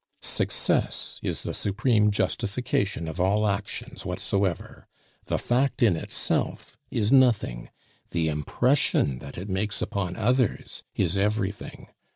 Success is the supreme justification of all actions whatsoever. The fact in itself is nothing; the impression that it makes upon others is everything.